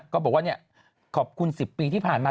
ก็บอกว่าขอบคุณ๑๐ปีที่ผ่านมา